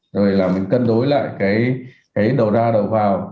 rồi là mình cân đối lại cái đầu ra đầu vào